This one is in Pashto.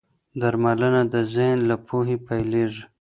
درملنه د ذهن له پوهې پيلېږي.